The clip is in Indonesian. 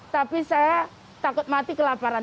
tapi saya takut mati kelaparan